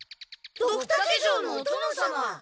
ドクタケ城のお殿様。